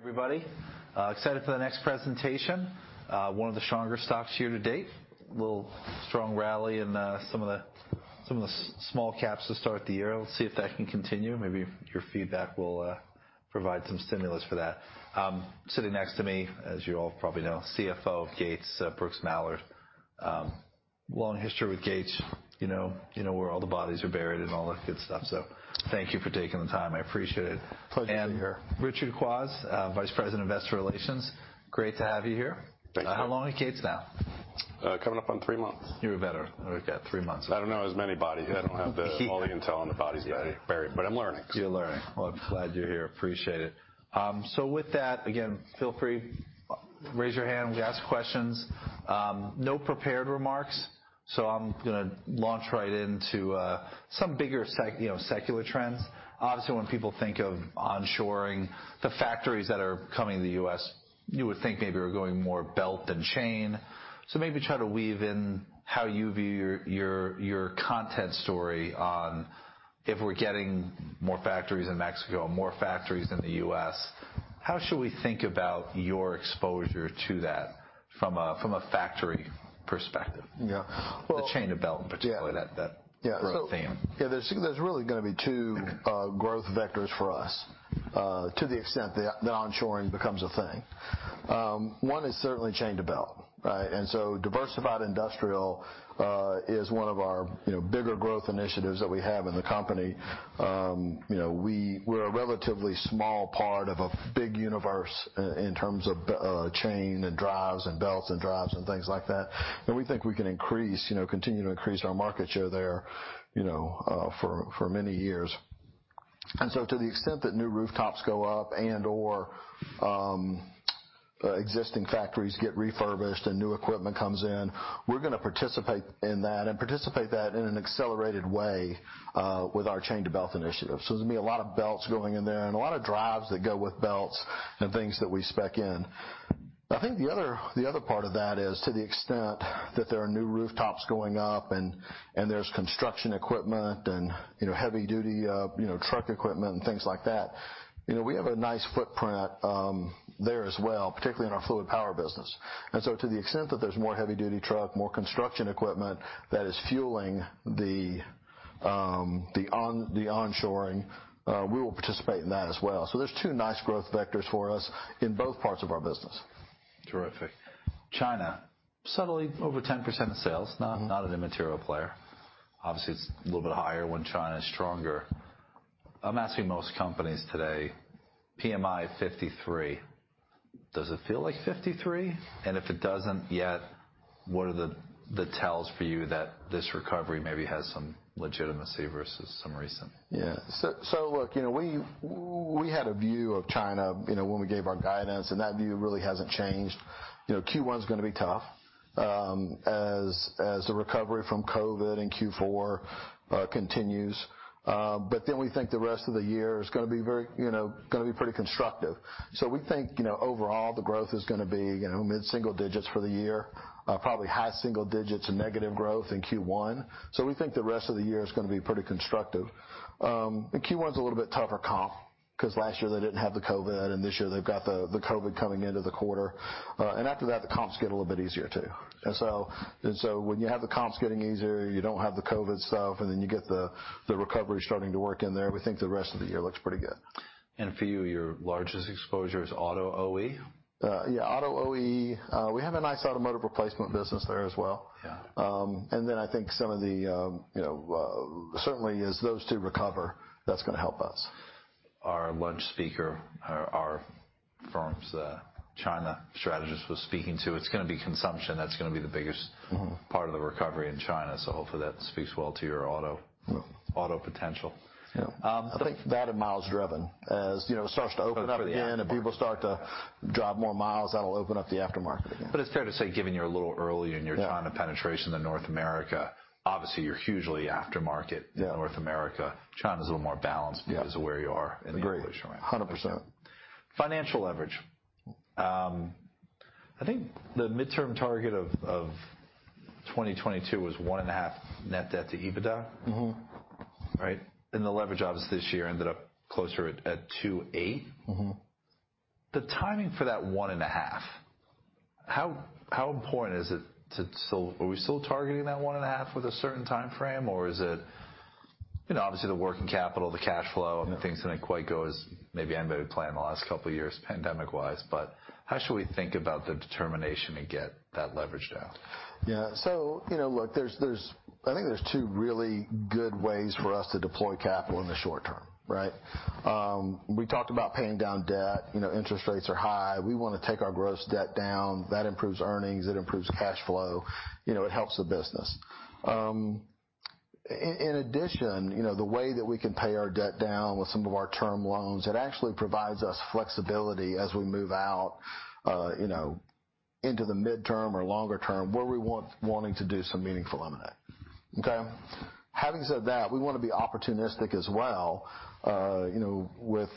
Everybody, excited for the next presentation. One of the stronger stocks here to date. A little strong rally in, some of the, some of the small caps to start the year. Let's see if that can continue. Maybe your feedback will, provide some stimulus for that. Sitting next to me, as you all probably know, CFO of Gates, Brooks Mallard. Long history with Gates, you know, you know where all the bodies are buried and all that good stuff. So thank you for taking the time. I appreciate it. Pleasure to be here. Richard Kwas, Vice President, Investor Relations. Great to have you here. Thank you. how long at Gates now? coming up on three months. You're a veteran. Okay. Three months. I don't know as many bodies. I don't have the. Thank you. All the intel on the bodies buried, buried, but I'm learning. You're learning. I'm glad you're here. Appreciate it. With that, again, feel free, raise your hand, we ask questions. No prepared remarks. I'm gonna launch right into some bigger, you know, secular trends. Obviously, when people think of onshoring, the factories that are coming to the U.S., you would think maybe we're going more belt and chain. Maybe try to weave in how you view your content story on if we're getting more factories in Mexico and more factories in the U.S., how should we think about your exposure to that from a factory perspective? Yeah. Well. The chain to belt in particular. Yeah. That, that. Yeah. Growth theme. Yeah. There's really gonna be two growth vectors for us, to the extent that onshoring becomes a thing. One is certainly chain to belt, right? Diversified industrial is one of our bigger growth initiatives that we have in the company. You know, we're a relatively small part of a big universe, in terms of chain and drives and belts and drives and things like that. We think we can continue to increase our market share there, you know, for many years. To the extent that new rooftops go up and/or existing factories get refurbished and new equipment comes in, we're gonna participate in that and participate in that in an accelerated way, with our chain to belt initiative. There's gonna be a lot of belts going in there and a lot of drives that go with belts and things that we spec in. I think the other part of that is to the extent that there are new rooftops going up and there's construction equipment and, you know, heavy-duty, you know, truck equipment and things like that, you know, we have a nice footprint there as well, particularly in our fluid power business. To the extent that there's more heavy-duty truck, more construction equipment that is fueling the onshoring, we will participate in that as well. There's two nice growth vectors for us in both parts of our business. Terrific. China. Subtly over 10% of sales. Not, not an immaterial player. Obviously, it's a little bit higher when China is stronger. I'm asking most companies today, PMI 53. Does it feel like 53? If it doesn't yet, what are the, the tells for you that this recovery maybe has some legitimacy versus some recent? Yeah. So look, you know, we had a view of China, you know, when we gave our guidance, and that view really hasn't changed. You know, Q1's gonna be tough, as the recovery from COVID and Q4 continues. But then we think the rest of the year is gonna be very, you know, gonna be pretty constructive. So we think, you know, overall, the growth is gonna be, you know, mid-single digits for the year, probably high single digits and negative growth in Q1. So we think the rest of the year is gonna be pretty constructive. Q1's a little bit tougher comp 'cause last year they didn't have the COVID, and this year they've got the COVID coming into the quarter. After that, the comps get a little bit easier too. When you have the comps getting easier, you do not have the COVID stuff, and then you get the recovery starting to work in there, we think the rest of the year looks pretty good. For you, your largest exposure is Auto OE? Yeah. Auto OE. We have a nice automotive replacement business there as well. Yeah. and then I think some of the, you know, certainly as those two recover, that's gonna help us. Our lunch speaker, our firm's China strategist was speaking to, it's gonna be consumption. That's gonna be the biggest. Mm-hmm. Part of the recovery in China. Hopefully that speaks well to your auto. Yeah. Auto potential. Yeah. I think that and miles driven, as you know, it starts to open up again. Opening up again. People start to drive more miles, that'll open up the aftermarket again. It is fair to say given you're a little early and you're trying to penetrate into North America, obviously you're hugely aftermarket. Yeah. North America. China's a little more balanced. Yeah. Because of where you are in the. Agreed. Evolution right now. 100%. Financial leverage. I think the midterm target of, of 2022 was 1.5 net debt to EBITDA. Mm-hmm. Right? The leverage obviously this year ended up closer at 2.8. Mm-hmm. The timing for that 1.5, how important is it to still, are we still targeting that 1.5 with a certain timeframe, or is it, you know, obviously the working capital, the cash flow. Mm-hmm. The things that did not quite go as maybe anybody would plan the last couple of years pandemic-wise, but how should we think about the determination to get that leverage down? Yeah. You know, look, I think there's two really good ways for us to deploy capital in the short term, right? We talked about paying down debt. You know, interest rates are high. We wanna take our gross debt down. That improves earnings. It improves cash flow. You know, it helps the business. In addition, you know, the way that we can pay our debt down with some of our term loans, it actually provides us flexibility as we move out, you know, into the midterm or longer term where we want wanting to do some meaningful lemonade. Okay? Having said that, we wanna be opportunistic as well, you know, with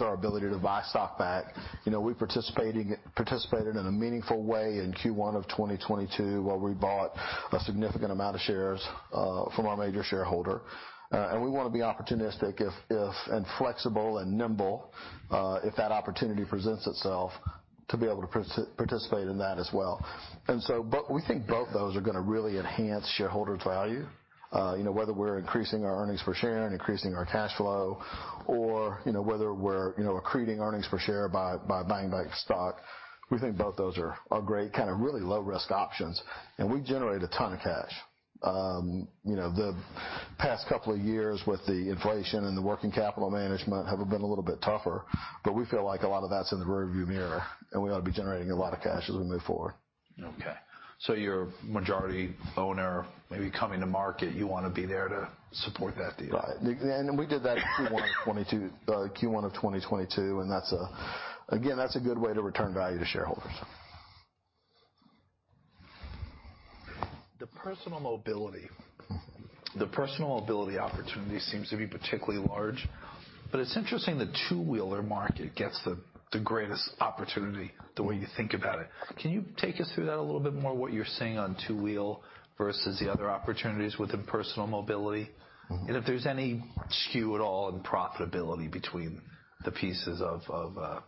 our ability to buy stock back. You know, we participated in a meaningful way in Q1 of 2022 where we bought a significant amount of shares from our major shareholder. We wanna be opportunistic, if and flexible and nimble, if that opportunity presents itself to be able to participate in that as well. We think both those are gonna really enhance shareholders' value, you know, whether we're increasing our earnings per share and increasing our cash flow or, you know, whether we're, you know, accreting earnings per share by buying back stock. We think both those are great kinda really low-risk options. We generate a ton of cash. You know, the past couple of years with the inflation and the working capital management have been a little bit tougher, but we feel like a lot of that's in the rearview mirror, and we ought to be generating a lot of cash as we move forward. Okay. You're majority owner, maybe coming to market, you wanna be there to support that deal. Right. We did that Q1 of 2022, and that's again, that's a good way to return value to shareholders. The personal mobility. Mm-hmm. The personal mobility opportunity seems to be particularly large, but it's interesting the two-wheeler market gets the greatest opportunity the way you think about it. Can you take us through that a little bit more, what you're seeing on two-wheel versus the other opportunities within personal mobility? Mm-hmm. If there is any skew at all in profitability between the pieces of, of,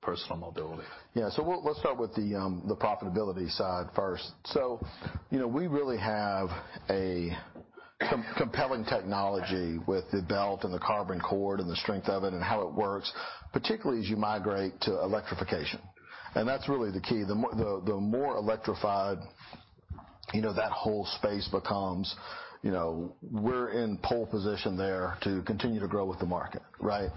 personal mobility. Yeah. Let's start with the profitability side first. You know, we really have a compelling technology with the belt and the carbon cord and the strength of it and how it works, particularly as you migrate to electrification. That's really the key. The more electrified, you know, that whole space becomes, you know, we're in pole position there to continue to grow with the market, right?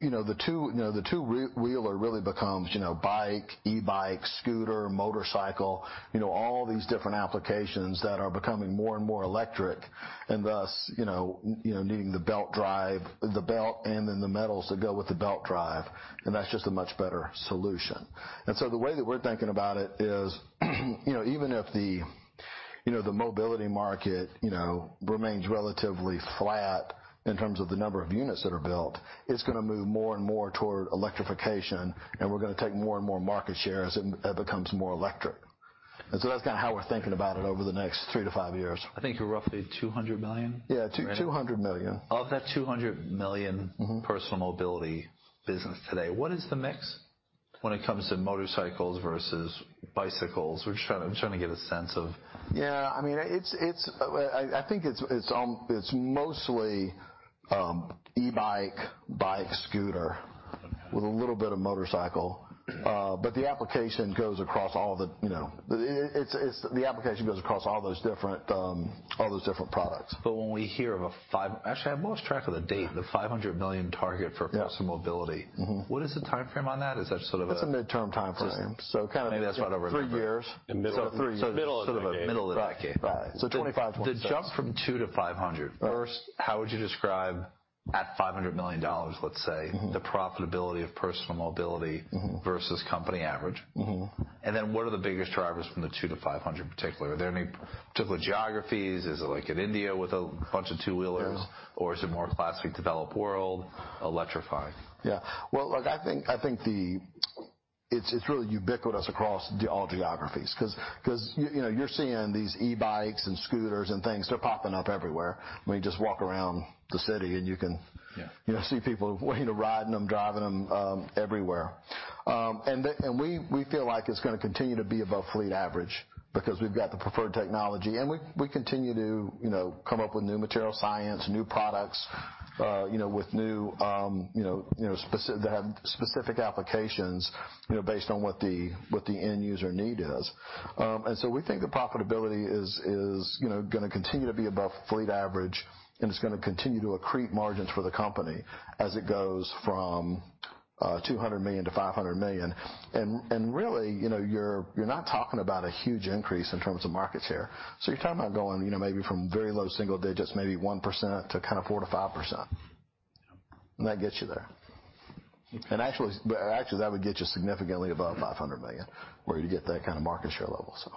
You know, the two-wheeler really becomes, you know, bike, e-bike, scooter, motorcycle, you know, all these different applications that are becoming more and more electric and thus, you know, needing the belt drive, the belt and then the metals that go with the belt drive, and that's just a much better solution. The way that we're thinking about it is, you know, even if the, you know, the mobility market, you know, remains relatively flat in terms of the number of units that are built, it's gonna move more and more toward electrification, and we're gonna take more and more market share as it becomes more electric. That's kinda how we're thinking about it over the next three to five years. I think you're roughly $200 million? Yeah. $200 million. Of that $200 million. Mm-hmm. Personal mobility business today, what is the mix when it comes to motorcycles versus bicycles? We're just trying to, I'm trying to get a sense of. Yeah. I mean, it's, it's, I think it's, it's almost, it's mostly e-bike, bike, scooter. Okay. With a little bit of motorcycle, but the application goes across all the, you know, it's the application goes across all those different, all those different products. When we hear of a five, actually, I've lost track of the date, the $500 million target for. Yeah. Personal mobility. Mm-hmm. What is the timeframe on that? Is that sort of a? That's a midterm timeframe. Time. Kinda. Maybe that's right over there. Three years. So three. So three. The middle of the. The middle of the decade. Right. So 2025. The jump from $200 million to $500 million. Right. First, how would you describe at $500 million, let's say. Mm-hmm. The profitability of personal mobility. Mm-hmm. Versus company average? Mm-hmm. What are the biggest drivers from the $200 million to $500 million particularly? Are there any particular geographies? Is it like in India with a bunch of two-wheelers? Mm-hmm. Is it more classic developed world, electrified? Yeah. Look, I think it's really ubiquitous across all geographies 'cause, you know, you're seeing these e-bikes and scooters and things. They're popping up everywhere. When you just walk around the city, you can. Yeah. You know, see people waiting to ride in them, driving them, everywhere. We feel like it's gonna continue to be above fleet average because we've got the preferred technology. We continue to, you know, come up with new material science, new products, you know, with new, you know, specific applications, you know, based on what the end user need is. We think the profitability is, you know, gonna continue to be above fleet average, and it's gonna continue to accrete margins for the company as it goes from $200 million to $500 million. Really, you know, you're not talking about a huge increase in terms of market share. You're talking about going, you know, maybe from very low single digits, maybe 1% to kinda 4-5%. Yeah. That gets you there. Okay. Actually, that would get you significantly above $500 million where you'd get that kinda market share level, so.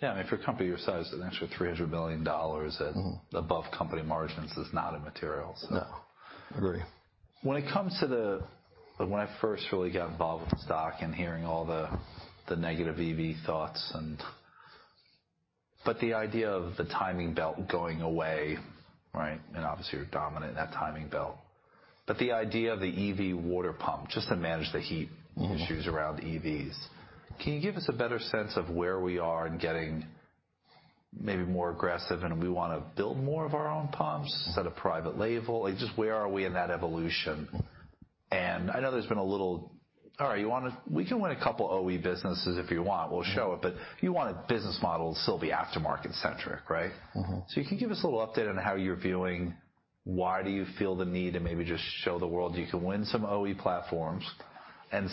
Yeah. I mean, for a company your size, an extra $300 million at. Mm-hmm. Above company margins is not immaterial, so. No. Agree. When it comes to the when I first really got involved with the stock and hearing all the, the negative EV thoughts and the idea of the timing belt going away, right? Obviously, you're dominant in that timing belt. The idea of the EV water pump just to manage the heat. Mm-hmm. Issues around EVs. Can you give us a better sense of where we are in getting maybe more aggressive, and we wanna build more of our own pumps. Mm-hmm. Instead of private label? Like, just where are we in that evolution? I know there's been a little, all right. You wanna, we can win a couple OE businesses if you want. We'll show it. You want a business model that's still be aftermarket-centric, right? Mm-hmm. You can give us a little update on how you're viewing. Why do you feel the need to maybe just show the world you can win some OE platforms?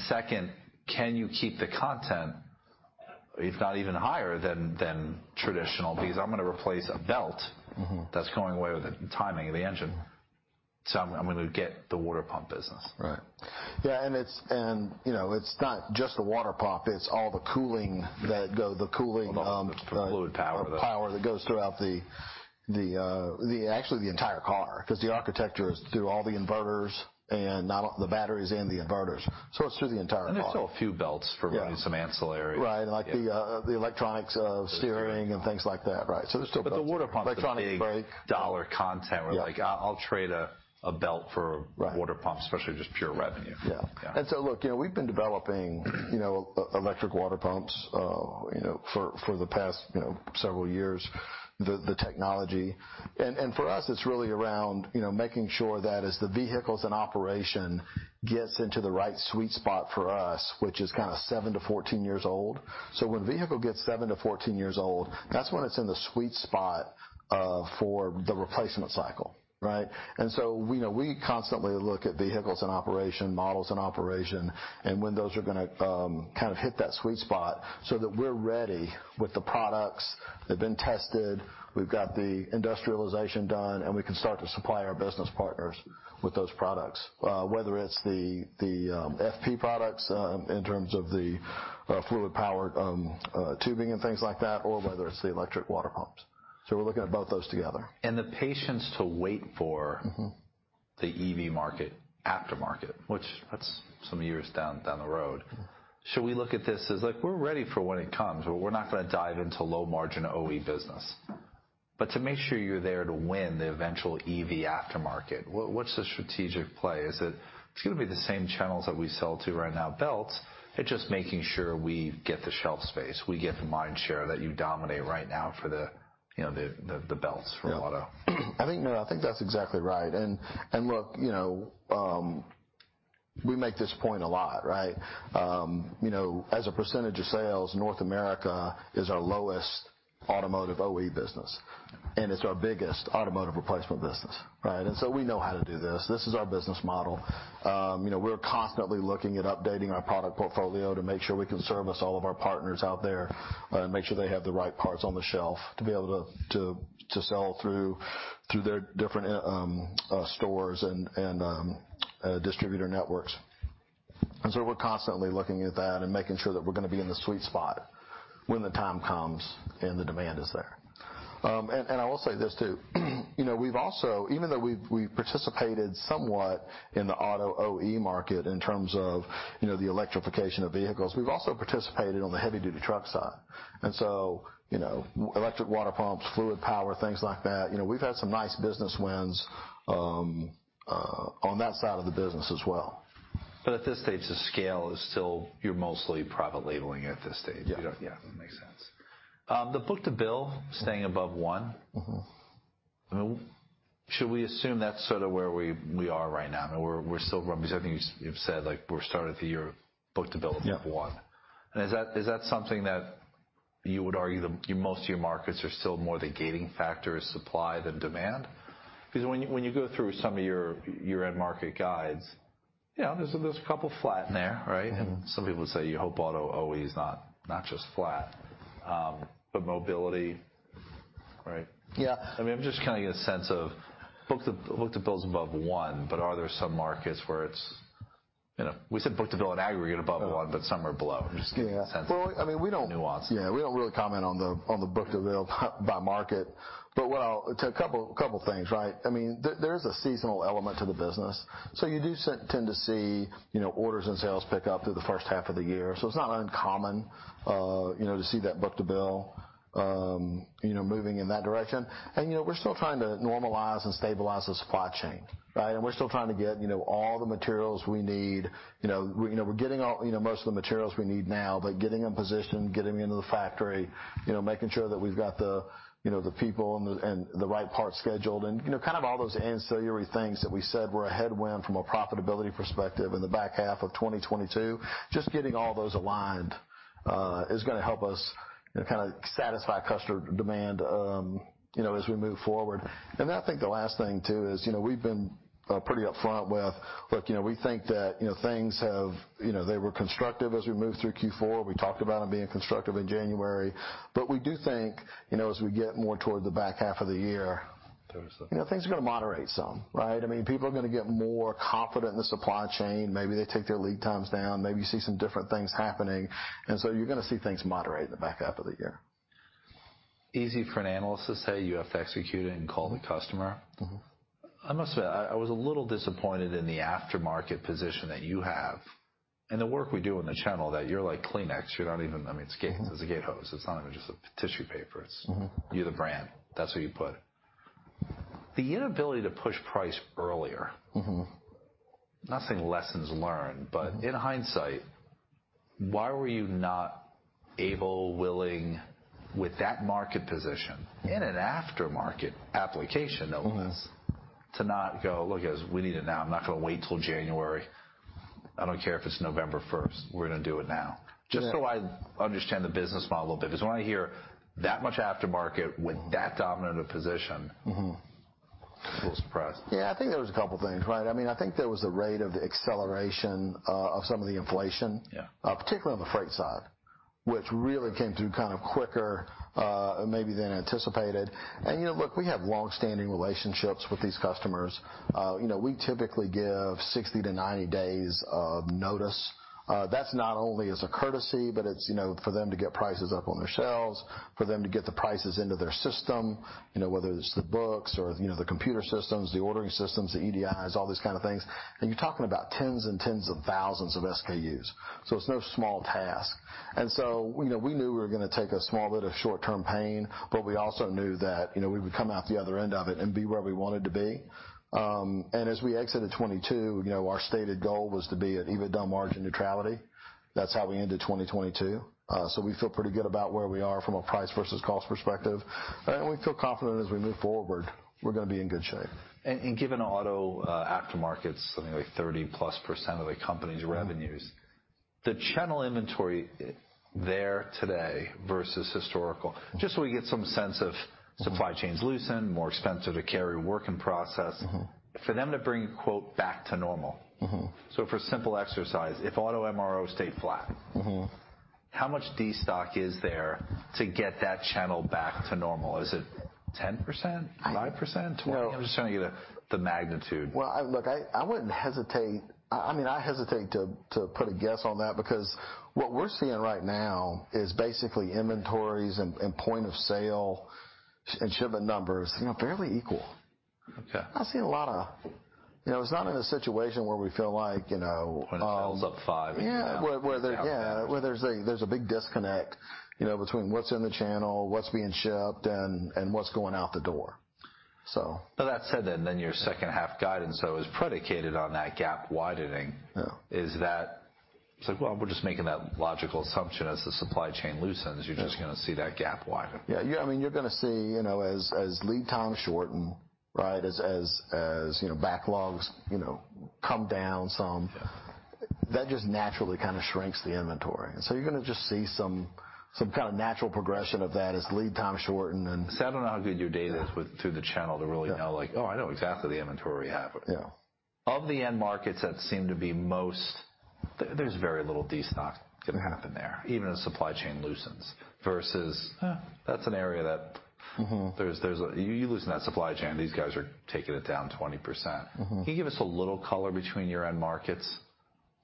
Second, can you keep the content, if not even higher, than traditional? Because I'm gonna replace a belt. Mm-hmm. That's going away with the timing of the engine. I'm gonna get the water pump business. Right. Yeah. And it's, you know, it's not just the water pump. It's all the cooling that go, the cooling, The fluid power, that. The power that goes throughout the, actually, the entire car 'cause the architecture is through all the inverters and not all the batteries and the inverters. It's through the entire car. There are still a few belts for. Yeah. Maybe some ancillary. Right. Like the, the electronics, steering. Mm-hmm. There is still. The water pump's a big. Electronic brake. Dollar content. Yeah. Where like, I'll trade a belt for. Right. Water pump, especially just pure revenue. Yeah. Yeah. Look, you know, we've been developing, you know, electric water pumps, you know, for the past, you know, several years, the technology. For us, it's really around, you know, making sure that as the vehicle's in operation, it gets into the right sweet spot for us, which is kind of 7-14 years old. When a vehicle gets 7-14 years old, that's when it's in the sweet spot for the replacement cycle, right? You know, we constantly look at vehicles in operation, models in operation, and when those are gonna kind of hit that sweet spot so that we're ready with the products. They've been tested. We've got the industrialization done, and we can start to supply our business partners with those products, whether it's the FP products, in terms of the fluid power tubing and things like that, or whether it's the electric water pumps. We are looking at both those together. The patience to wait for. Mm-hmm. The EV market aftermarket, which that's some years down the road. Mm-hmm. Should we look at this as like, we're ready for when it comes, but we're not gonna dive into low-margin OE business, but to make sure you're there to win the eventual EV aftermarket, what, what's the strategic play? Is it it's gonna be the same channels that we sell to right now, belts, it's just making sure we get the shelf space, we get the mind share that you dominate right now for the, you know, the belts for auto. Yeah. I think no. I think that's exactly right. Look, you know, we make this point a lot, right? You know, as a percentage of sales, North America is our lowest Automotive OE business, and it's our biggest automotive replacement business, right? We know how to do this. This is our business model. You know, we're constantly looking at updating our product portfolio to make sure we can service all of our partners out there, and make sure they have the right parts on the shelf to be able to sell through their different stores and distributor networks. We're constantly looking at that and making sure that we're gonna be in the sweet spot when the time comes and the demand is there. I will say this too. You know, we've also, even though we've participated somewhat in the Auto OE market in terms of, you know, the electrification of vehicles, we've also participated on the heavy-duty truck side. You know, electric water pumps, fluid power, things like that, you know, we've had some nice business wins on that side of the business as well. At this stage, the scale is still you're mostly private labeling at this stage. Yeah. You don't, yeah. That makes sense. The book to bill staying above one. Mm-hmm. I mean, should we assume that's sort of where we are right now? I mean, we're still running because I think you said like we're starting at the year book to bill above one. Yeah. Is that something that you would argue most of your markets are still more the gating factor is supply than demand? Because when you go through some of your end market guides, you know, there's a couple flat in there, right? Mm-hmm. Some people say you hope Auto OE is not, not just flat, but mobility, right? Yeah. I mean, I'm just kinda getting a sense of book to bill's above one, but are there some markets where it's, you know, we said book to bill in aggregate above one. Mm-hmm. Somewhere below. I'm just getting a sense. Yeah. I mean, we don't. Nuanced. Yeah. We do not really comment on the book to bill by market. What I will say is a couple things, right? I mean, there is a seasonal element to the business. You do tend to see, you know, orders and sales pick up through the first half of the year. It is not uncommon to see that book to bill moving in that direction. You know, we are still trying to normalize and stabilize the supply chain, right? We are still trying to get, you know, all the materials we need. You know, we, you know, we're getting all, you know, most of the materials we need now, but getting them positioned, getting them into the factory, you know, making sure that we've got the, you know, the people and the right parts scheduled and, you know, kind of all those ancillary things that we said were a headwind from a profitability perspective in the back half of 2022. Just getting all those aligned is gonna help us, you know, kinda satisfy customer demand, you know, as we move forward. I think the last thing too is, you know, we've been pretty upfront with, look, you know, we think that, you know, things have, you know, they were constructive as we moved through Q4. We talked about them being constructive in January. We do think, you know, as we get more toward the back half of the year. There is a. You know, things are gonna moderate some, right? I mean, people are gonna get more confident in the supply chain. Maybe they take their lead times down. Maybe you see some different things happening. You are gonna see things moderate in the back half of the year. Easy for an analyst to say you have to execute it and call the customer. Mm-hmm. I must admit, I was a little disappointed in the aftermarket position that you have and the work we do in the channel that you're like Kleenex. You're not even, I mean, it's Gates, it's a Gates hose. It's not even just a tissue paper. It's. Mm-hmm. You're the brand. That's who you put. The inability to push price earlier. Mm-hmm. Not saying lessons learned, but in hindsight, why were you not able, willing, with that market position in an aftermarket application that was. Mm-hmm. To not go, "Look, guys, we need it now. I'm not gonna wait till January. I don't care if it's November 1st. We're gonna do it now. Yeah. Just so I understand the business model a little bit because when I hear that much aftermarket with that dominant a position. Mm-hmm. I was impressed. Yeah. I think there was a couple things, right? I mean, I think there was a rate of acceleration, of some of the inflation. Yeah. particularly on the freight side, which really came through kind of quicker, maybe than anticipated. You know, look, we have long-standing relationships with these customers. You know, we typically give 60-90 days of notice. That is not only as a courtesy, but it is, you know, for them to get prices up on their shelves, for them to get the prices into their system, you know, whether it is the books or, you know, the computer systems, the ordering systems, the EDIs, all these kind of things. You are talking about tens and tens of thousands of SKUs. It is no small task. You know, we knew we were going to take a small bit of short-term pain, but we also knew that, you know, we would come out the other end of it and be where we wanted to be. As we exited 2022, you know, our stated goal was to be at EBITDA margin neutrality. That's how we ended 2022. We feel pretty good about where we are from a price versus cost perspective. We feel confident as we move forward, we're gonna be in good shape. Given Auto, aftermarket's something like 30%+ of the company's revenues, the channel inventory there today versus historical, just so we get some sense of supply chains loosened, more expensive to carry, work in process. Mm-hmm. For them to bring quote back to normal. Mm-hmm. For simple exercise, if Auto MRO stayed flat. Mm-hmm. How much destock is there to get that channel back to normal? Is it 10%, 5%, 20%? No. I'm just trying to get the magnitude. I look, I would not hesitate, I mean, I hesitate to put a guess on that because what we are seeing right now is basically inventories and point of sale and shipment numbers, you know, fairly equal. Okay. I see a lot of, you know, it's not in a situation where we feel like, you know. When it falls above 5%. Yeah. Where there's a big disconnect, you know, between what's in the channel, what's being shipped, and what's going out the door, so. That said, then your second-half guidance, though, is predicated on that gap widening. Yeah. It's like, well, we're just making that logical assumption as the supply chain loosens. You're just gonna see that gap widen. Yeah. I mean, you're gonna see, you know, as lead times shorten, right, as, you know, backlogs, you know, come down some. Yeah. That just naturally kinda shrinks the inventory. You're gonna just see some kinda natural progression of that as lead times shorten. I don't know how good your data is with through the channel to really know like, "Oh, I know exactly the inventory we have. Yeah. Of the end markets that seem to be most, there's very little destock gonna happen there, even as supply chain loosens versus. Yeah. That's an area that. Mm-hmm. There's, you loosen that supply chain, these guys are taking it down 20%. Mm-hmm. Can you give us a little color between your end markets?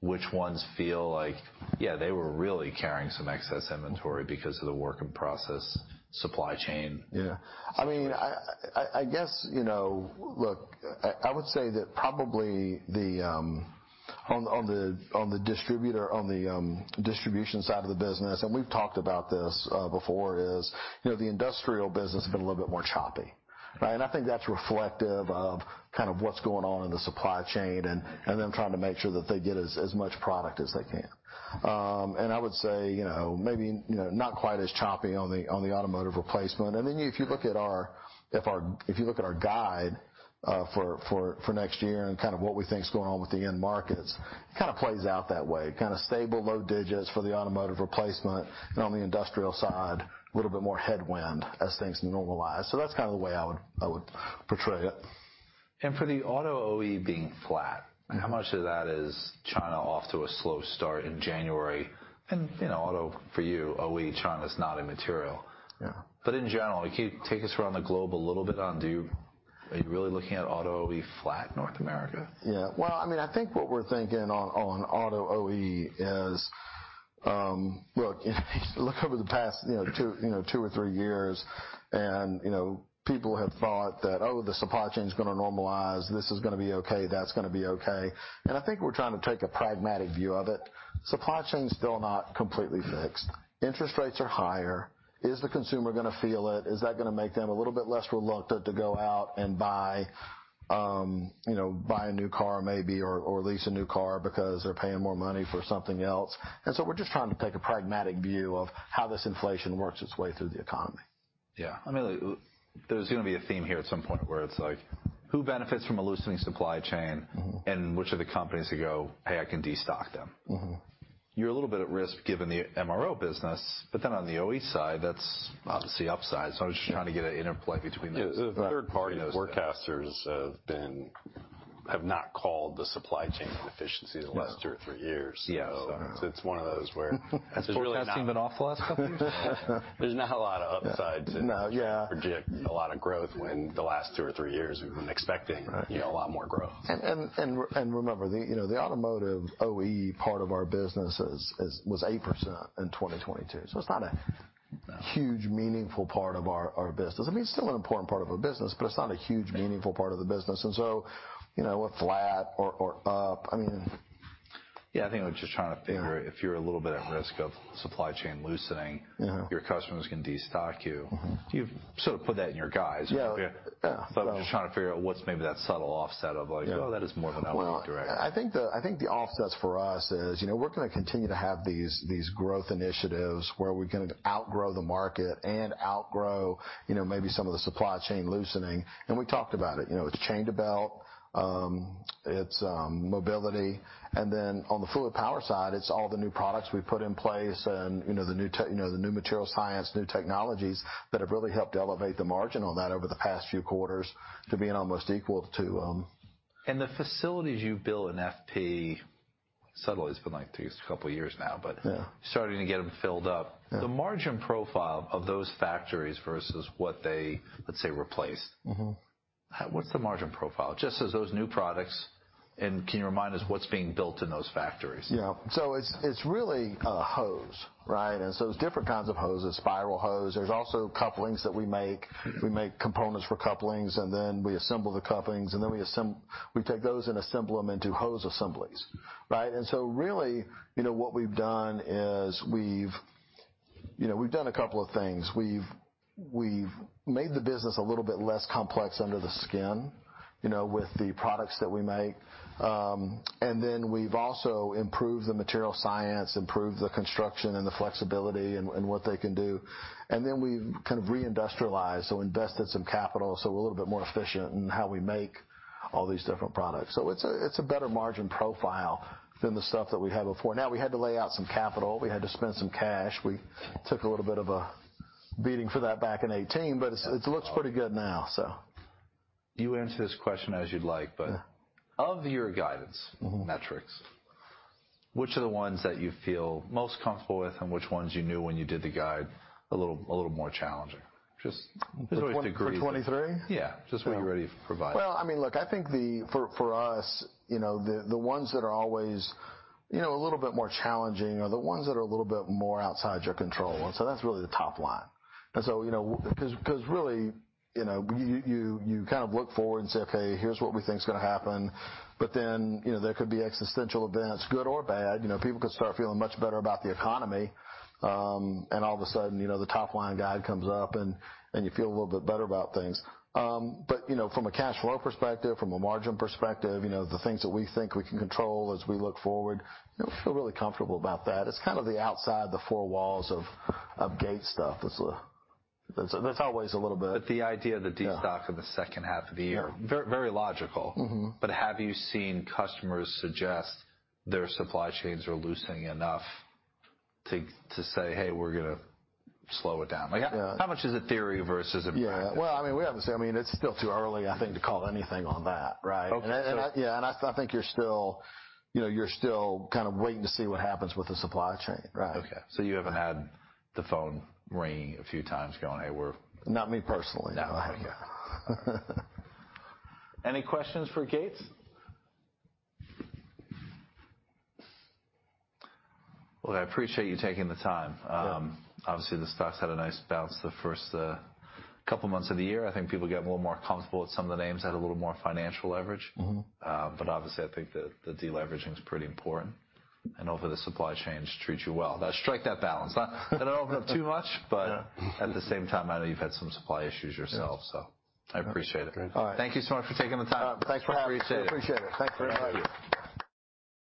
Which ones feel like, yeah, they were really carrying some excess inventory because of the work in process, supply chain? Yeah. I mean, I guess, you know, look, I would say that probably on the distributor, on the distribution side of the business, and we've talked about this before, is, you know, the industrial business has been a little bit more choppy, right? And I think that's reflective of kind of what's going on in the supply chain and them trying to make sure that they get as much product as they can. And I would say, you know, maybe not quite as choppy on the automotive replacement. And then if you look at our, if you look at our guide for next year and kinda what we think's going on with the end markets, it kinda plays out that way. Kinda stable, low digits for the automotive replacement. On the industrial side, a little bit more headwind as things normalize. That is kinda the way I would portray it. For the Auto OE being flat, how much of that is China off to a slow start in January? You know, auto for you, OE China is not material. Yeah. In general, can you take us around the globe a little bit on do you are you really looking at Auto OE flat in North America? Yeah. I mean, I think what we're thinking on, on Auto OE is, look, you know, you look over the past, you know, two, you know, two or three years, and, you know, people have thought that, oh, the supply chain's gonna normalize. This is gonna be okay. That's gonna be okay. I think we're trying to take a pragmatic view of it. Supply chain's still not completely fixed. Interest rates are higher. Is the consumer gonna feel it? Is that gonna make them a little bit less reluctant to go out and buy, you know, buy a new car maybe or, or lease a new car because they're paying more money for something else? We are just trying to take a pragmatic view of how this inflation works its way through the economy. Yeah. I mean, there's gonna be a theme here at some point where it's like, who benefits from a loosening supply chain? Mm-hmm. Which are the companies that go, "Hey, I can destock them"? Mm-hmm. You're a little bit at risk given the MRO business, but then on the OE side, that's obviously upside. I was just trying to get a interplay between those. Yeah. The third party, those forecasters have not called the supply chain inefficiency the last two or three years. Yeah. So. It's one of those where. Has forecasting been off the last couple years? There's not a lot of upside to. No. Yeah. Project a lot of growth when the last two or three years we've been expecting. Right. You know, a lot more growth. Remember, you know, the Automotive OE part of our business was 8% in 2022. It is not a huge, meaningful part of our business. I mean, it is still an important part of our business, but it is not a huge, meaningful part of the business. You know, what flat or up, I mean. Yeah. I think I was just trying to figure if you're a little bit at risk of supply chain loosening. Mm-hmm. Your customers can destock you. Mm-hmm. You've sort of put that in your guise. Yeah. Yeah. I'm just trying to figure out what's maybe that subtle offset of like, "Oh, that is more than I want to do. I think the offsets for us is, you know, we're gonna continue to have these growth initiatives where we're gonna outgrow the market and outgrow, you know, maybe some of the supply chain loosening. We talked about it. You know, it's chain to belt, it's mobility. And then on the fluid power side, it's all the new products we put in place and, you know, the new material science, new technologies that have really helped elevate the margin on that over the past few quarters to being almost equal to, The facilities you build in FP subtly has been like these couple years now, but. Yeah. Starting to get them filled up. Yeah. The margin profile of those factories versus what they, let's say, replaced. Mm-hmm. How, what's the margin profile just as those new products, and can you remind us what's being built in those factories? Yeah. So it's really a hose, right? And so there's different kinds of hoses. Spiral hose. There's also couplings that we make. We make components for couplings, and then we assemble the couplings, and then we take those and assemble them into hose assemblies, right? And so really, you know, what we've done is we've, you know, we've done a couple of things. We've made the business a little bit less complex under the skin, you know, with the products that we make. And then we've also improved the material science, improved the construction and the flexibility, and what they can do. And then we've kind of reindustrialized, invested some capital, so we're a little bit more efficient in how we make all these different products. So it's a better margin profile than the stuff that we had before. Now, we had to lay out some capital. We had to spend some cash. We took a little bit of a beating for that back in 2018, but it looks pretty good now, so. You answer this question as you'd like, but of your guidance. Mm-hmm. Metrics, which are the ones that you feel most comfortable with and which ones you knew when you did the guide a little, a little more challenging? Just. For 2023? For 2023? Yeah. Just what you're ready to provide. I mean, look, I think for us, you know, the ones that are always, you know, a little bit more challenging are the ones that are a little bit more outside your control. That is really the top line. You know, 'cause really, you know, you kind of look forward and say, "Okay. Here's what we think's gonna happen." Then, you know, there could be existential events, good or bad. You know, people could start feeling much better about the economy, and all of a sudden, you know, the top line guide comes up and you feel a little bit better about things. From a cash flow perspective, from a margin perspective, you know, the things that we think we can control as we look forward, you know, we feel really comfortable about that. It's kind of the outside the four walls of, of Gates stuff. It's always a little bit. The idea of the destock in the second half of the year. Yeah. Ver-very logical. Mm-hmm. Have you seen customers suggest their supply chains are loosening enough to, to say, "Hey, we're gonna slow it down"? Like, how much is it theory versus a practice? Yeah. I mean, we have not seen, I mean, it is still too early, I think, to call anything on that, right? Okay. Yeah. I think you're still, you know, you're still kind of waiting to see what happens with the supply chain, right? Okay. You have not had the phone ringing a few times going, "Hey, we're. Not me personally. No. Okay. Any questions for Gates? I appreciate you taking the time. Yeah. Obviously, the stocks had a nice bounce the first couple months of the year. I think people got a little more comfortable with some of the names that had a little more financial leverage. Mm-hmm. Obviously, I think the deleveraging's pretty important. Hopefully, the supply chains treat you well. Strike that balance. I do not know if too much, but at the same time, I know you've had some supply issues yourself, so I appreciate it. All right. Thank you so much for taking the time. Thanks for having me. I appreciate it. I appreciate it. Thanks very much. Thank you.